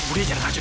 budi jangan ngajuk